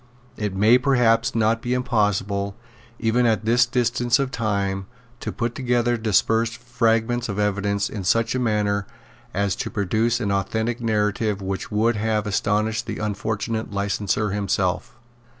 It may perhaps not be impossible, even at this distance of time, to put together dispersed fragments of evidence in such a manner as to produce an authentic narrative which would have astonished the unfortunate licenser himself.